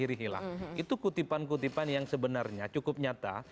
itu kutipan kutipan yang sebenarnya cukup nyata